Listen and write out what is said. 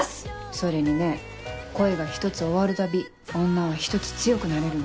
それにね恋が１つ終わるたび女は１つ強くなれるの。